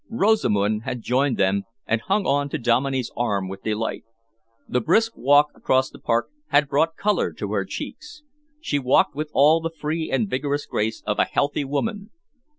Rosamund had joined them and hung on to Dominey's arm with delight. The brisk walk across the park had brought colour to her cheeks. She walked with all the free and vigorous grace of a healthy woman.